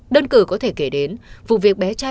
đơn cử có thể kể đến vụ việc bé trai